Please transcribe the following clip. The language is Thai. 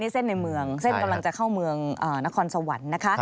เส้นในเมืองเส้นกำลังจะเข้าเมืองนครสวรรค์นะคะ